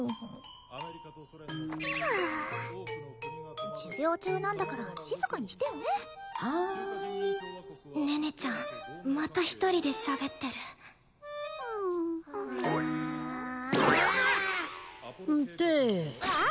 はあ授業中なんだから静かにしてよねはーい寧々ちゃんまた１人でしゃべってるあっああっんでああっ！